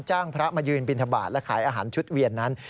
พระมายืนบินทบาทและขายอาหารชุดเวียนนั้น